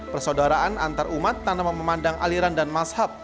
persaudaraan antar umat tanpa memandang aliran dan mashab